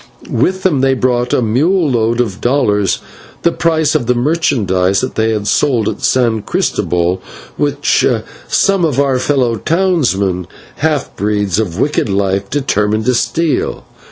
With them they brought a mule load of dollars, the price of the merchandise that they had sold at San Christobel, which some of our fellow townsmen, half breeds of wicked life, determined to steal.